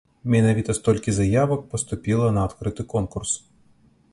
Менавіта столькі заявак паступіла на адкрыты конкурс.